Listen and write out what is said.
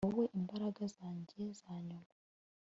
wowe, imbaraga zanjye zanyuma